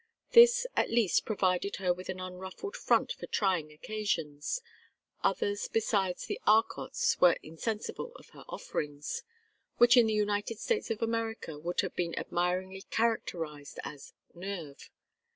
This at least provided her with an unruffled front for trying occasions others besides the Arcots were insensible of her offerings which in the United States of America would have been admiringly characterized as "nerve."